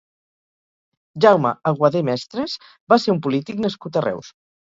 Jaume Aguadé Mestres va ser un polític nascut a Reus.